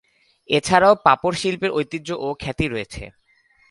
এ ছাড়াও পাপড় শিল্পের ঐতিহ্য ও খ্যাতি রয়েছে।